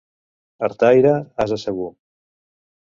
Artaire, ase segur.